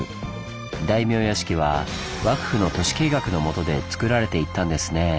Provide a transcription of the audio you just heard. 大名屋敷は幕府の都市計画のもとでつくられていったんですねぇ。